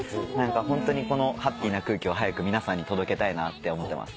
ホントにこのハッピーな空気を早く皆さんに届けたいなって思ってます。